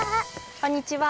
こんにちは。